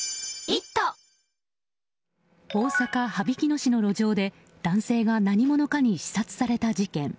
大阪・羽曳野市の路上で男性が何者かに刺殺された事件。